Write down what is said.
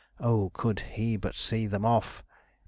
Oh, could he but see them off!